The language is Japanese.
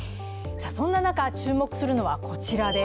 そんな中、注目するのはこちらです。